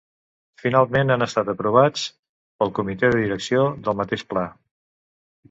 Finalment han estat aprovats pel Comitè de Direcció del mateix pla.